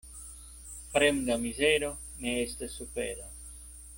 Fremda mizero ne estas sufero.